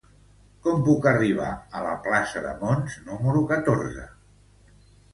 Com puc arribar a la plaça de Mons número catorze?